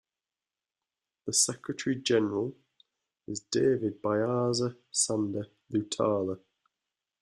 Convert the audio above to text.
The Secretary General is David Byaza Sanda Lutala.